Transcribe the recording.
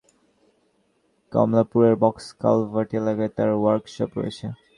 আসমা বেগম দাবি করেন, কমলাপুরের বক্স কালভার্ট এলাকায় তাঁর ওয়ার্কশপ রয়েছে।